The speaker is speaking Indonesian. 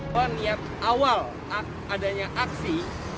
peniat awal adanya aksi